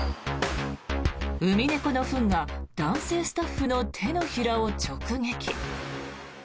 ウミネコのフンが男性スタッフの手のひらを直撃。